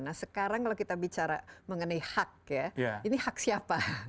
nah sekarang kalau kita bicara mengenai hak ya ini hak siapa